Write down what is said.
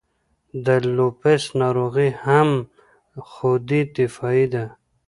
د لوپس ناروغي هم خودي دفاعي ده.